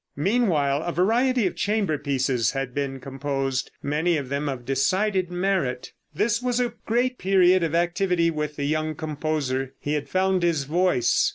Meanwhile a variety of chamber pieces had been composed, many of them of decided merit. This was a great period of activity with the young composer. He had found his voice.